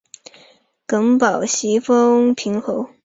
耿宝袭封牟平侯。